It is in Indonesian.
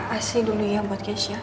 asih dulu ya buat keisha